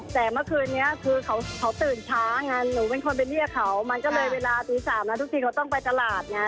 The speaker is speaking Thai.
แต่เมื่อคืนนี้คือเขาตื่นช้าไงหนูเป็นคนไปเรียกเขามันก็เลยเวลาตี๓แล้วทุกทีเขาต้องไปตลาดไง